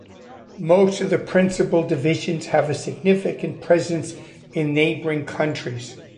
Most of the principal divisions have a significant presence in neighboring countries.